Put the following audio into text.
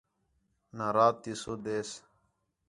نہ رات تی سُد ہِس